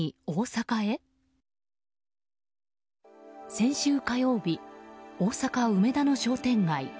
先週火曜日大阪・梅田の商店街。